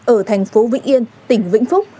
ở thành phố vĩ yên tỉnh vĩnh phúc